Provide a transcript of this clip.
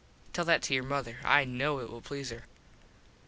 Tell that to your mother. I know it will please her.